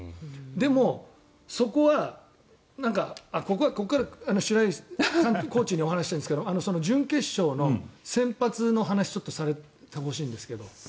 でも、そこはここから白井コーチにお話ししたいんですけど準決勝の先発の話をちょっとしてほしいんですが。